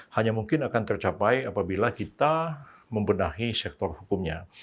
hanya mungkin akan tercapai apabila kita membenahi sektor hukumnya